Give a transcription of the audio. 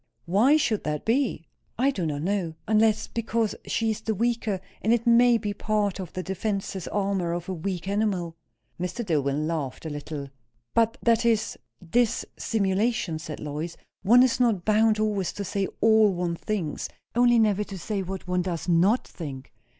"Why should that be?" "I do not know unless because she is the weaker, and it may be part of the defensive armour of a weak animal." Mr. Dillwyn laughed a little. "But that is _dis_simulation," said Lois. "One is not bound always to say all one thinks; only never to say what one does not think."